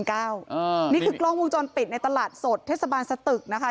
นี่คือกล้องวงจรปิดในตลาดสดเทศบาลสตึกนะคะ